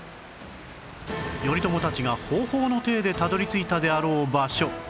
頼朝たちがほうほうの体でたどり着いたであろう場所